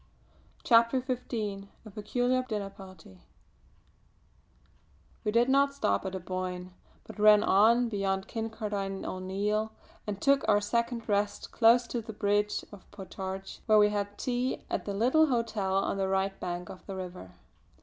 CHAPTER XV A PECULIAR DINNER PARTY We did not stop at Aboyne, but ran on beyond Kincardine O'Neill, and took our second rest close to the Bridge of Potarch where we had tea at the little hotel on the right bank of the river.